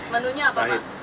menunya apa pak